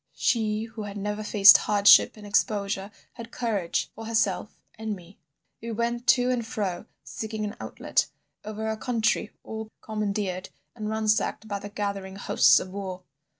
She who had never faced hardship and exposure had courage for herself and me. We went to and fro seeking an outlet, over a country all commandeered and ransacked by the gathering hosts of war.